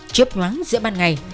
chiếp ngoáng giữa ban ngày